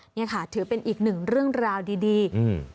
เนี่ยค่ะถือเป็นอีกหนึ่งเรื่องราวดีดีอืม